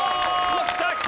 きたきた！